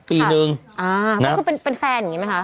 ปีหนึ่งอ่าน่ะก็คือเป็นเป็นแฟนอย่างงี้มั้ยคะ